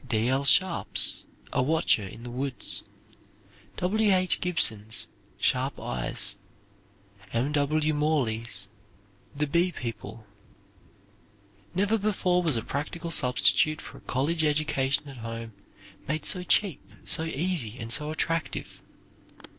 D. L. Sharp's "A Watcher in the Woods." W. H. Gibson's "Sharp Eyes." M. W. Morley's "The Bee people." Never before was a practical substitute for a college education at home made so cheap, so easy, and so attractive.